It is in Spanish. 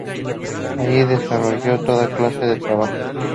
Allí desarrolló toda clase de trabajos.